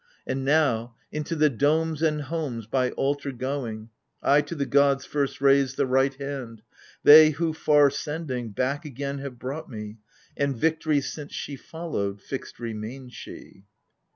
And now into the domes and homes by altar Going, I to the gods first raise the right hand — They who, far sending, back again have brought me. And Victory, since she followed, fixed remain she